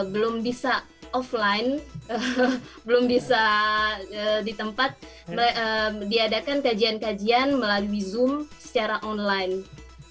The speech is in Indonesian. belum bisa di tempat diadakan kajian kajian melalui zoom secara online